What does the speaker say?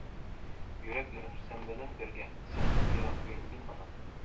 يۈرەكلىرىم سەن بىلەن بىرگە، سەندىن يىراق يۈرمىدىم ئانا.